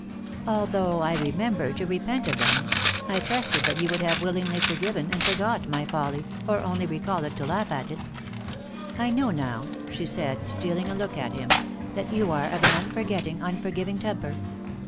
Although I remember, to repent of them, I trusted that you would have wil lingly forgiven and forgot my folly, or only recall it to laugh at it. I know now," she said, stealing a look at him, " that you are of an unforgetting, unforgiving temper."